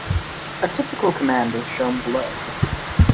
A typical command is shown below.